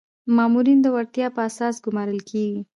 مامورین د وړتیا په اساس ګمارل کیږي